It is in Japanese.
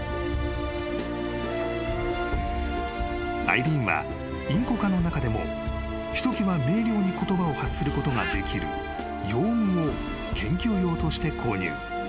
［アイリーンはインコ科の中でもひときわ明瞭に言葉を発することができるヨウムを研究用として購入］